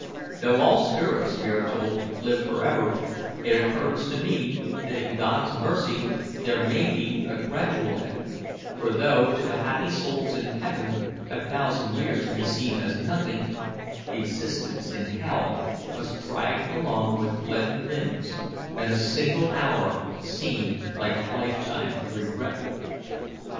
Though all spirits, we are told, live forever, it occurs to me that in God's mercy there may be a gradual end; for though to the happy souls in heaven a thousand years may seem as nothing, existence in hell must drag along with leaden limbs, and a single hour seem like a lifetime of regret.